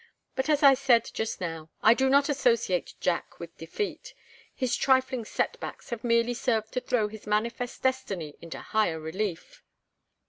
But as I said just now I do not associate Jack with defeat. His trifling set backs have merely served to throw his manifest destiny into higher relief."